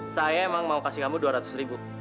saya emang mau kasih kamu dua ratus ribu